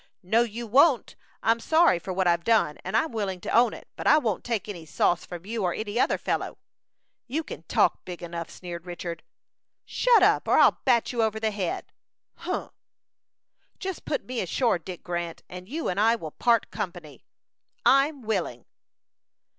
"No, you won't! I'm sorry for what I've done, and I'm willing to own it; but I won't take any sauce from you or any other fellow." "You can talk big enough," sneered Richard. "Shut up, or I'll bat you over the head." "Humph!" "Just put me ashore, Dick Grant, and you and I will part company." "I'm willing."